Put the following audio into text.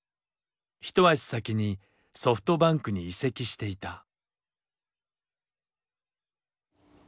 一足先にソフトバンクに移籍していた。